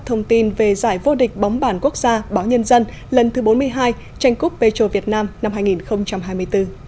thông tin về giải vô địch bóng bản quốc gia báo nhân dân lần thứ bốn mươi hai tranh cúp petro việt nam năm hai nghìn hai mươi bốn